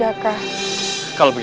aku akan menang